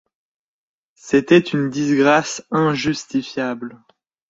C'était une disgrâce injustifiable.